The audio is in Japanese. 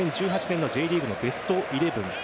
２０１８年のＪリーグのベストイレブン。